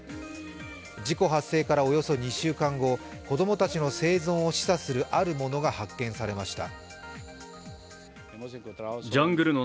事故発生からおよそ２週間後、子供たちの生存を示唆するあるものが発見されました。